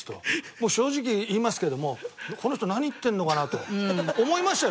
もう正直言いますけどもこの人何言ってんのかなと思いましたよ